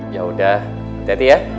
yaudah hati hati ya